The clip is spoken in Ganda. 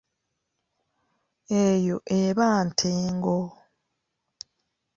Eyo eba ntengo.